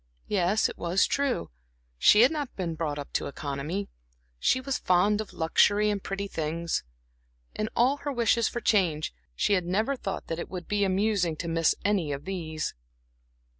Yes, it was true she had not been brought up to economy, she was fond of luxury and pretty things. In all her wishes for change, she had never thought that it would be amusing to miss any of these.